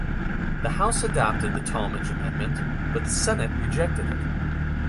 The House adopted the Tallmadge Amendment, but the Senate rejected it.